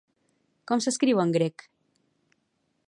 Com s'escriu en grec?